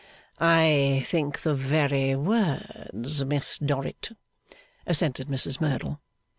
'I think, the very words, Miss Dorrit,' assented Mrs Merdle.